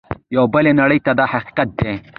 یوې بلې نړۍ ته دا حقیقت دی.